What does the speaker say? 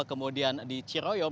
kemudian di ciroyom